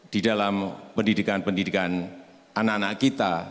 di dalam pendidikan pendidikan anak anak kita